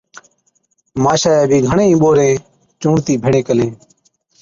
ماشائِيئَي بِي گھڻي ئِي ٻورين چُونڊتِي ڀيڙين ڪلين،